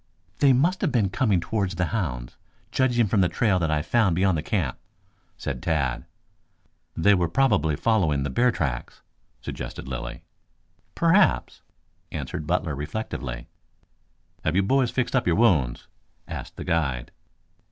"They must have been coming towards the hounds, judging from the trail that I found beyond the camp," said Tad. "They were probably following the bear tracks," suggested Lilly. "Perhaps," answered Butler reflectively. "Have you boys fixed up your wounds?" asked the guide.